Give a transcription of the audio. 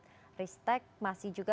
terima kasih pak